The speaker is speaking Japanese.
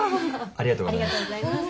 ありがとうございます。